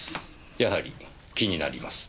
やはり気になります。